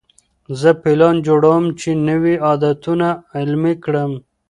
زه پلان جوړوم چې نوي عادتونه عملي کړم.